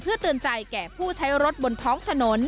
เพื่อเตือนใจแก่ผู้ใช้รถบนท้องถนน